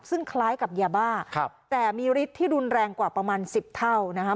ซึ่งคล้ายกับยาบ้าแต่มีฤทธิ์ที่รุนแรงกว่าประมาณสิบเท่านะคะ